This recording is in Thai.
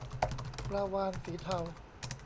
ปลาวาฬสีเทา